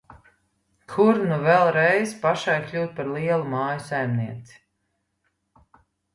Kur nu vēl reiz pašai kļūt par lielu māju saimnieci.